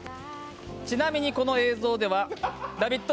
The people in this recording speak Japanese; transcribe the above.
ちなみに、この映像ではラヴィット！